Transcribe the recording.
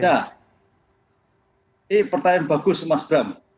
nah ini pertanyaan bagus mas bram